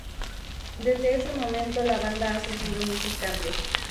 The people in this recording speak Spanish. Desde ese momento la banda ha sufrido muchos cambios.